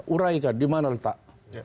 uraikan dimana letak